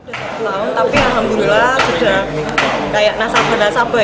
sudah pulang tapi alhamdulillah sudah kayak nasabah nasabah